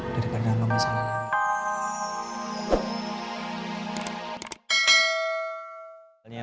daripada aku masalahnya